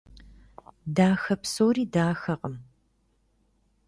Дахэ псори дахэкъым.